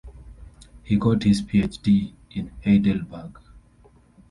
He got his Ph.D. in Heidelberg.